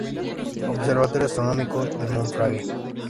Observatorio Astronómico de Monfragüe.